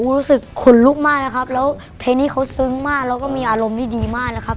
รู้สึกขนลุกมากนะครับแล้วเพลงนี้เขาซึ้งมากแล้วก็มีอารมณ์ที่ดีมากนะครับ